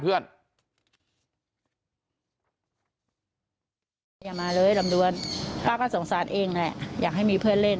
ใช่ค่ะถ่ายรูปส่งให้พี่ดูไหม